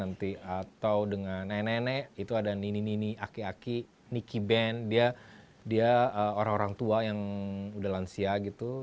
atau dengan nenek nenek itu ada nini nini aki aki niki ben dia orang orang tua yang udah lansia gitu